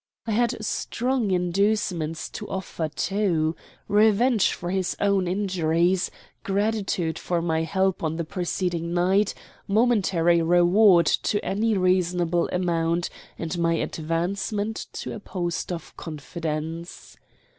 I had strong inducements to offer, too revenge for his own injuries; gratitude for my help on the preceding night; momentary reward to any reasonable amount; and advancement to a post of confidence.